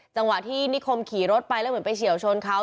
จังหวะที่นิคมขี่รถไปแล้วเหมือนไปเฉียวชนเขา